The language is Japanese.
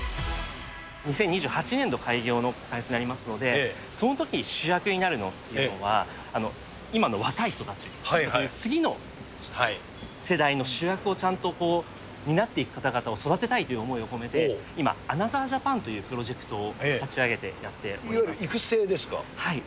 ２０２８年度開業の開発になりますので、そのとき、主役になるのは、今の若い人たち、次の世代の主役をちゃんと担っていく方々を育てたいという思いを込めて、今、アナザー・ジャパンというプロジェクトを立ち上げていわゆる育成ですか？